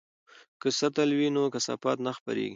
که سطل وي نو کثافات نه خپریږي.